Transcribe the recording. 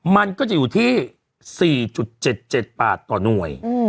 มันก็จะอยู่ที่๔๗๗บาทต่อหน่วย